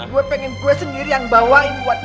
gue pengen gue sendiri yang bawain buat